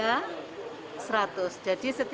dan penceramah itu seratus dan penceramah itu seratus